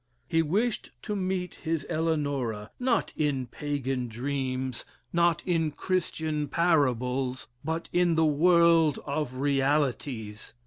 He wished to meet his Eleanora not in Pagan dreams not in Christian parables but in the world of realities.